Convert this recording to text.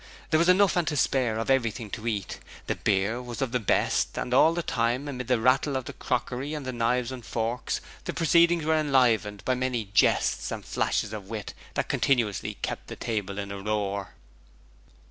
There was enough and to spare of everything to eat, the beer was of the best, and all the time, amid the rattle of the crockery and the knives and forks, the proceedings were enlivened by many jests and flashes of wit that continuously kept the table in a roar.